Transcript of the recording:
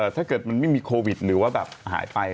ถ้าเกิดมันไม่มีโควิดหรือว่าแบบหายไป